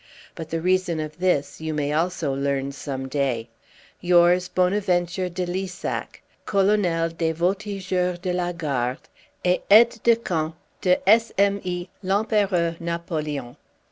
But the reason of this you may also learn some day." "Yours," "BONAVENTURE DE LISSAC" "(Colonel des Voltigeurs de la Garde, et aide de camp de S.M.I. L'Empereur Napoleon.")